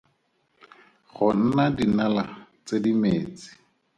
Go nna dinala tse di metsi.